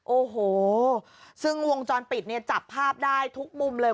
โอ้โหซึ่งวงจรปิดเนี่ยจับภาพได้ทุกมุมเลย